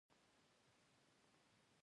نن په افغانستان کې اقتصادي کارپوهان بلل کېږي.